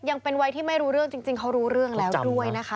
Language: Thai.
ยังเป็นวัยที่ไม่รู้เรื่องจริงเขารู้เรื่องแล้วด้วยนะคะ